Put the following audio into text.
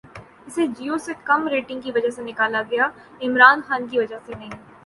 اسے جیو سے کم ریٹننگ کی وجہ سے نکالا گیا، عمران خان کی وجہ سے نہیں